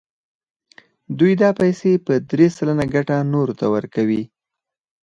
دوی دا پیسې په درې سلنه ګټه نورو ته ورکوي